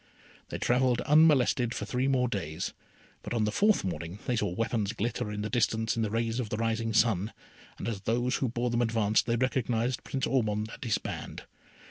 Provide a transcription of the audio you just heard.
They travelled unmolested for three more days; but on the fourth morning they saw weapons glitter in the distance in the rays of the rising sun, and as those who bore them advanced, they recognised Prince Ormond and his band.